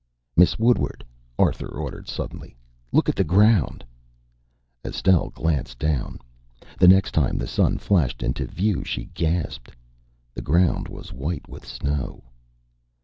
"Miss Woodward!" Arthur ordered suddenly, "look at the ground!" Estelle glanced down. The next time the sun flashed into view she gasped. The ground was white with snow!